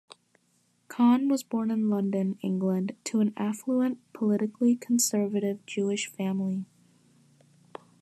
Kahn was born in London, England to an affluent politically conservative Jewish family.